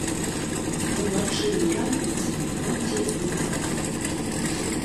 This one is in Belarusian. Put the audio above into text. Уначы і раніцай будзе туман.